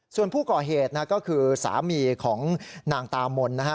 ส่วนผู้ก่อเหตุนะฮะก็คือสามีของนางตามนนะฮะ